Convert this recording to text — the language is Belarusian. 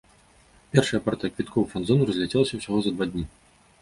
Першая партыя квіткоў у фан-зону разляцелася ўсяго за два дні.